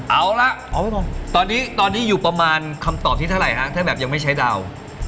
เอาละตอนนี้ตอนนี้อยู่ประมาณคำตอบที่เท่าไหร่ฮะถ้าแบบยังไม่ใช้ดาว